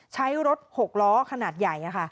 ใช้รถ๖ล้อขนาดใหญ่